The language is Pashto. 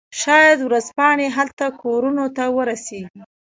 شاید ورځپاڼې هلته کورونو ته ورسیږي